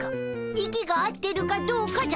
息が合ってるかどうかじゃ。